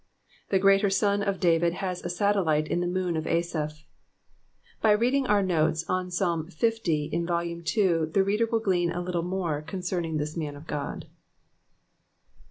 The great sun of David has a saielliie in the nuwn of Asaph. By reading our notts on Psalm Ffty, in Vol. 11.^ the reader will glean a little more concerning this man of God.